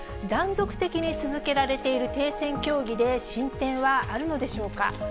断続的に続けられている停戦協議で、進展はあるのでしょうか。